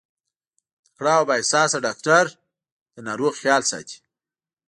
تکړه او با احساسه ډاکټر د ناروغ خيال ساتي.